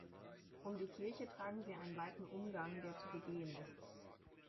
Um die Kirche tragen sie einen weiten Umgang, der zu begehen ist.